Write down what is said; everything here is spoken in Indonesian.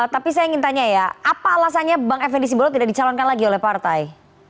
tapi saya ingin tanya ya apa alasannya bang fnd simbolon tidak dicalonkan lagi oleh partai